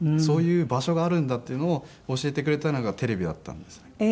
そういう場所があるんだっていうのを教えてくれたのがテレビだったんですね。